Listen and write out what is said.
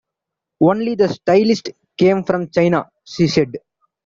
Only the stylist came from China, she said.